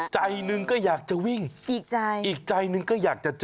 ใจหนึ่งก็อยากจะวิ่งอีกใจอีกใจหนึ่งก็อยากจะเจอ